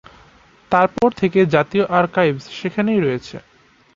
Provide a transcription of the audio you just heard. তারপর থেকে জাতীয় আর্কাইভস সেখানেই রয়েছে।